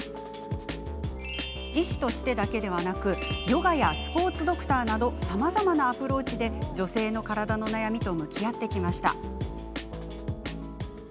医師としてだけでなくヨガやスポーツドクターなどさまざまなアプローチで女性の体の悩みと向き合ってきました。